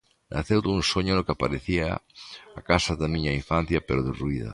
Naceu dun soño no que aparecía a casa da miña infancia pero derruída.